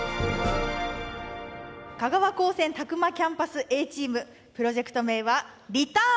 香川高専詫間キャンパスＡチームプロジェクト名はＲｅｔｕｒｎ。